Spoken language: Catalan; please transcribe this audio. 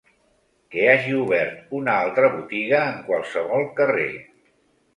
Que hagi obert una altra botiga en qualsevol carrer.